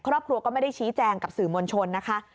ครอบครัวก็ไม่ได้ชี้แจงกับสื่อมวลชนนะคะ